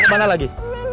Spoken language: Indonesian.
mau kemana lagi